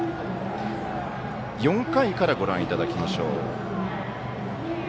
４回からご覧いただきましょう。